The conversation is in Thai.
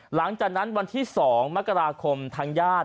หลังจากนั้นวันที่๒มกราคมทางญาติ